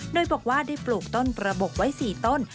โดยบอกว่าได้ปลูกต้นประบกไว้๔ต้น